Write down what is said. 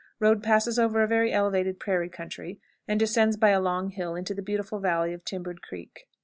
Road passes over a very elevated prairie country, and descends by a long hill into the beautiful valley of Timbered Creek.